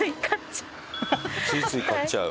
ついつい買っちゃう？